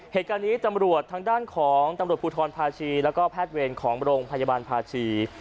เหตุการณ์นี้ตำรวจทางด้านของตำรวจภูทรภาชีแล้วก็แพทย์เวรของโรงพยาบาลภาชี